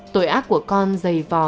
tội ác của con dày vò